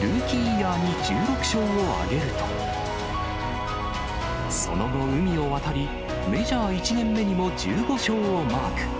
ルーキーイヤーに１６勝を挙げると、その後、海を渡り、メジャー１年目にも１５勝をマーク。